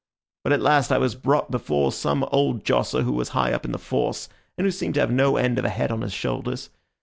But at last I was brought before some old josser who was high up in the force, and who seemed to have no end of a head on his shoulders.